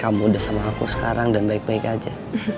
kamu udah sama aku sekarang dan baik baik aja